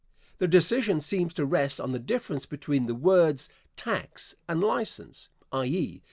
The decision seems to rest on the difference between the words tax and license _I. e.